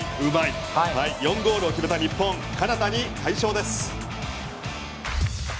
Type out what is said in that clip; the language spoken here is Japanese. ４ゴールを決めた日本カナダに快勝です。